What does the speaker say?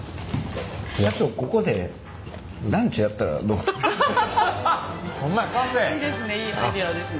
社長いいですねいいアイデアですね。